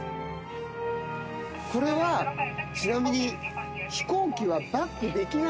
これはちなみに。